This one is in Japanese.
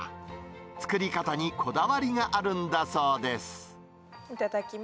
作り方にこだわりがあるんだそうです。